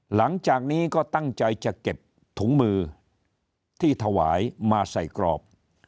หลังจากนี้ก็ตั้งใจจะเก็บถุงมือที่ถวายมาใส่กรอบ